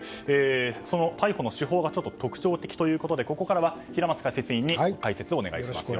その逮捕の手法がちょっと特徴的ということでここからは平松解説員に解説をお願いします。